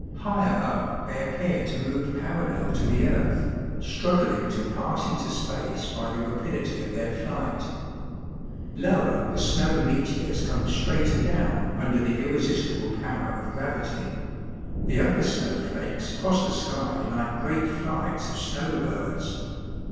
Higher up they appear to move parallel to the earth, struggling to pass into space by the rapidity of their flight ; lower the snow meteors come straighter down under the irresistible power of gravity. The upper snow flakes cross the sky like great flights of snow birds.